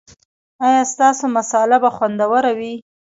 ایا ستاسو مصاله به خوندوره وي؟